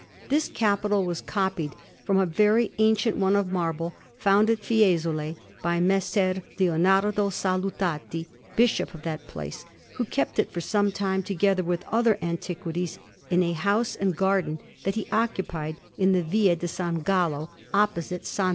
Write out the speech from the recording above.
This capital was copied from a very ancient one of marble, found at Fiesole by Messer Leonardo Salutati, Bishop of that place, who kept it for some time, together with other antiquities, in a house and garden that he occupied in the Via di S. Gallo, opposite to S.